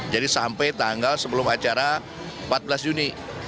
jadi sampai tanggal sebelum acara empat belas juni